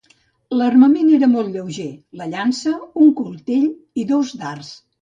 L'armament era molt lleuger: la llança, un coltell i dos dards.